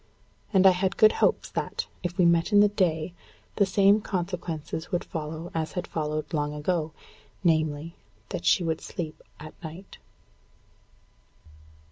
And I had good hopes that, if we met in the day, the same consequences would follow as had followed long ago namely, that she would sleep at night.